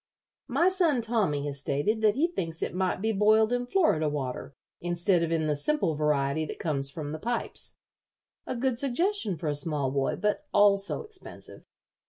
My son, Tommy, has stated that he thinks it might be boiled in Florida water instead of in the simple variety that comes from the pipes. A good suggestion for a small boy, but also expensive.